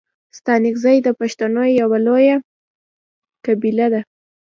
ستانگزي د پښتنو یو لويه قبیله ده.